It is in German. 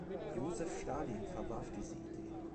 Josef Stalin verwarf diese Idee.